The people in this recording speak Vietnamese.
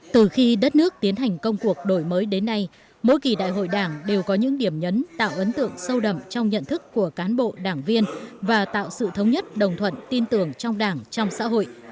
từ khi đất nước tiến hành công cuộc đổi mới đến nay mỗi kỳ đại hội đảng đều có những điểm nhấn tạo ấn tượng sâu đậm trong nhận thức của cán bộ đảng viên và tạo sự thống nhất đồng thuận tin tưởng trong đảng trong xã hội